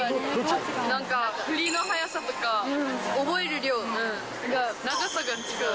なんか、振りの速さとか、覚える量、長さが違う。